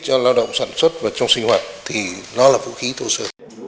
cho lao động sản xuất và trong sinh hoạt thì nó là vũ khí thô sơ